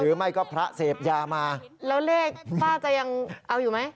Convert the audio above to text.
หรือไม่ก็พระเสพยามาแล้วเลขป้าจะยังเอาอยู่ไหม